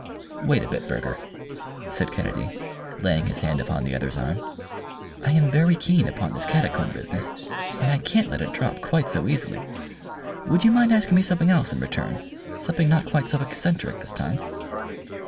"Wait a bit, Burger," said Kennedy, laying his hand upon the other's arm; "I am very keen upon this catacomb business, and I can't let it drop quite so easily. Would you mind asking me something else in return something not quite so eccentric this time?"